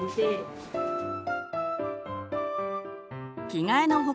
着替えの他